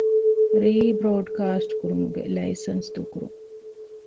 ރީބްރޯޑްކާސްޓް ކުރުމުގެ ލައިސަންސް ދޫކުރުން